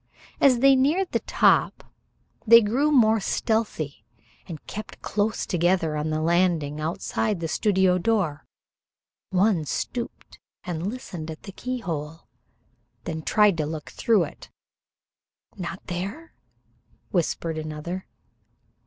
As they neared the top they grew more stealthy and kept close together on the landing outside the studio door. One stooped and listened at the keyhole, then tried to look through it. "Not there?" whispered another.